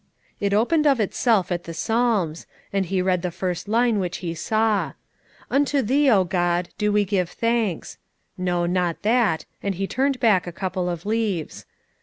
It opened of itself at the Psalms, and he read the first line which he saw: "Unto Thee, O God, do we give thanks " No, not that, and he turned back a couple of leaves.